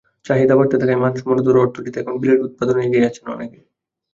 চাহিদা বাড়তে থাকায় মানসম্মত রড তৈরিতে এখন বিলেট উৎপাদনে এগিয়ে এসেছেন অনেকে।